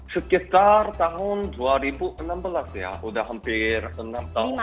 sekitar tahun dua ribu enam belas ya sudah hampir enam tahun